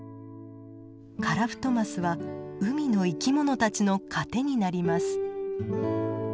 カラフトマスは海の生き物たちの糧になります。